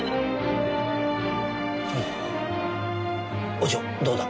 お嬢どうだ？